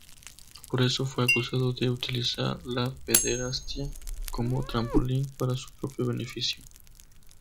Por eso fue acusado de utilizar la pederastia como trampolín para su propio beneficio.